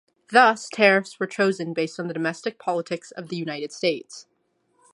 Thus, tariffs were chosen based on the domestic politics of the United States.